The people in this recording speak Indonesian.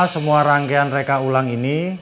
semua rangkaian reka ulang ini